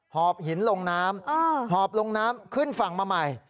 หอบหินลงน้ำหอบลงน้ำขึ้นฝั่งมาใหม่